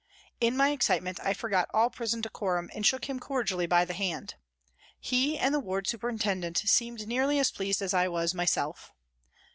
In my excitement I forgot all prison decorum and shook him cordially by the hand. He and the ward superintendent seemed nearly as pleased as I was myself.